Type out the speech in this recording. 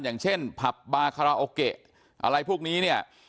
อย่างเช่นผับบาคาราโอเกะอะไรพวกนี้เนี่ย